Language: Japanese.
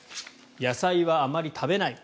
野菜はあまり食べない。